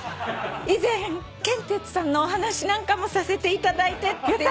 以前ケンテツさんのお話なんかもさせていただいてって。